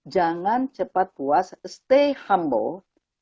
jangan cepat puas stay humble